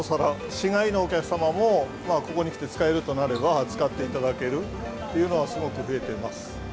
市外のお客様もここにきて使えるとなれば、使っていただけるというのは、すごく増えています。